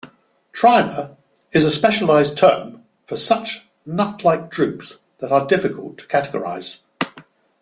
Tryma is a specialized term for such nut-like drupes that are difficult to categorize.